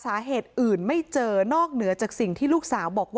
อาบน้ำเป็นจิตเที่ยว